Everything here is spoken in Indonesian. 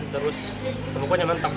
terus kebukanya mantap